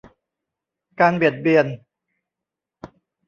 การเบียดเบียน